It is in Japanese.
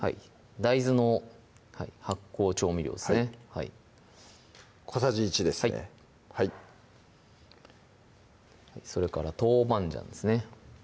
大豆の発酵調味料ですね小さじ１ですねはいそれから豆板醤ですね